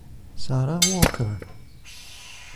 Sarah Walker